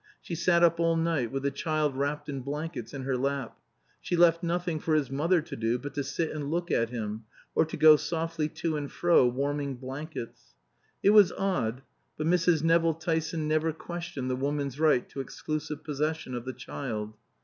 She sat up all night with the child wrapped in blankets in her lap. She left nothing for his mother to do but to sit and look at him, or go softly to and fro, warming blankets. (It was odd, but Mrs. Nevill Tyson never questioned the woman's right to exclusive possession of the child.)